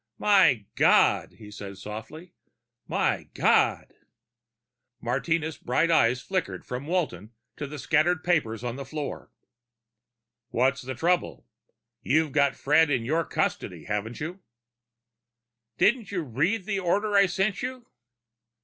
"My God," he said softly. "My God!" Martinez' bright eyes flicked from Walton to the scattered papers on the floor. "What's the trouble? You've got Fred in your custody, haven't you?" "Didn't you read the order I sent you?"